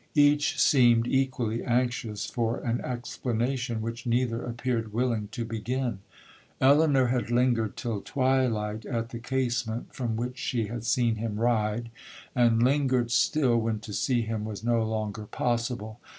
Each seemed equally anxious for an explanation, which neither appeared willing to begin. Elinor had lingered till twilight at the casement, from which she had seen him ride, and lingered still when to see him was no longer possible.